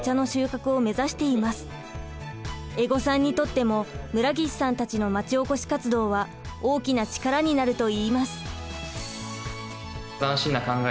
江籠さんにとっても村岸さんたちのまちおこし活動は大きな力になると言います。